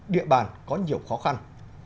địa bàn có nhiều khó khăn